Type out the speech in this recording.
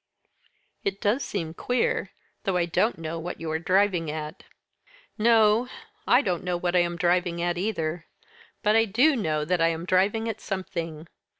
"It does seem queer though I don't know what you are driving at." "No; I don't know what I am driving at either. But I do know that I am driving at something.